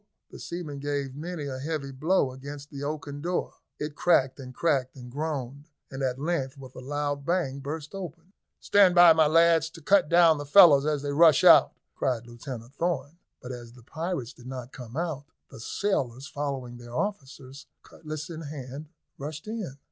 the seamen gave many a heavy blow against the oaken door. It cracked and cracked and groaned, and at length, with a loud bang, burst open. "Stand by, my lads, to cut down the fellows as they rush out," cried Lieutenant Thorn; but as the pirates did not come out, the sailors, following their officers, cutlass in hand, rushed in.